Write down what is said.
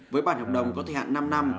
với bản hợp đồng có thời hạn năm năm